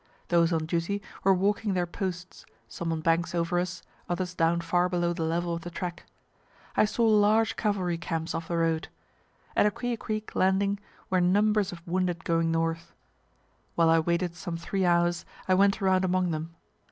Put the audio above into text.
Those on duty were walking their posts, some on banks over us, others down far below the level of the track. I saw large cavalry camps off the road. At Aquia creek landing were numbers of wounded going north. While I waited some three hours, I went around among them.